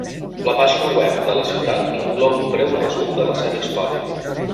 La pàgina web de la ciutat inclou un breu resum de la seva història.